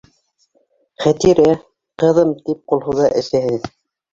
«Хәтирә, ҡыҙым!» - тип ҡул һуҙа әсәһе.